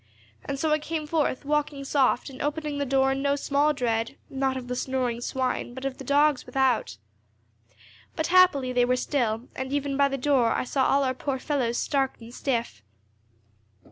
And so I came forth, walking soft, and opening the door in no small dread, not of the snoring swine, but of the dogs without. But happily they were still, and even by the door I saw all our poor fellows stark and stiff."